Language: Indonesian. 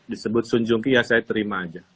disebut sung jong ki ya saya terima aja